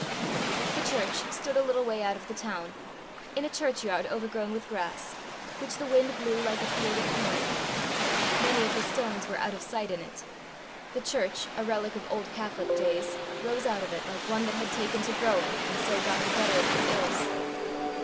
The church stood a little way out of the town, in a churchyard overgrown with grass, which the wind blew like a field of corn. Many of the stones were out of sight in it. The church, a relic of old catholic days, rose out of it like one that had taken to growing and so got the better of his ills.